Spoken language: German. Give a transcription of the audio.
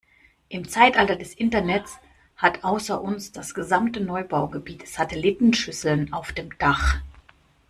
Im Zeitalter des Internets hat außer uns das gesamte Neubaugebiet Satellitenschüsseln auf dem Dach.